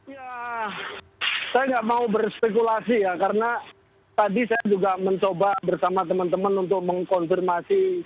ya saya nggak mau berspekulasi ya karena tadi saya juga mencoba bersama teman teman untuk mengkonfirmasi